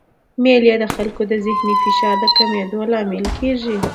مېلې د خلکو د ذهني فشار د کمېدو لامل کېږي.